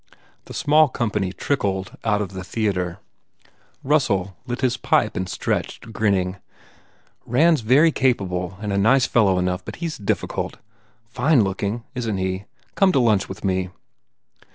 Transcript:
The small company trickled out of the theatre. Russell lit his pipe and stretched, grinning. "Rand s very capable and a nice fellow enough but he s difficult. Fine looking, isn t he? Come to lunch with me."